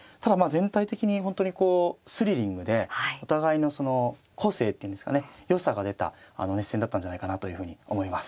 全体的に本当にこうスリリングでお互いのその個性っていうんですかねよさが出た熱戦だったんじゃないかなというふうに思います。